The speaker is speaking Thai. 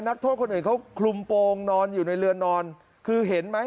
นักโทษคนอื่นเขาคลุมโปรงนอนอยู่ในเรือนนอนคือเห็นไหม